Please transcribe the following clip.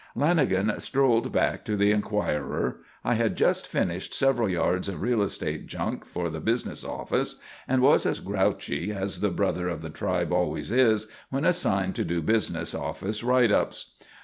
Lanagan strolled back to the Enquirer. I had just finished several yards of real estate junk for the business office, and was as grouchy as the brother of the tribe always is, when assigned to do business office write ups.